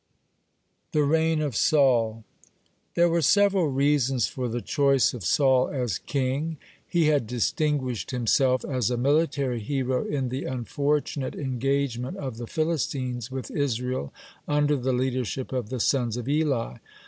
(47) THE REIGN OF SAUL There were several reasons for the choice of Saul as king. He had distinguished himself as a military hero in the unfortunate engagement of the Philistines with Israel under the leadership of the sons of Eli.